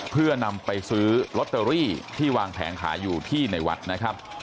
เพื่อนำไปซื้อลอตเตอรี่ที่วางแผงขายอยู่ที่ในวัดนะครับ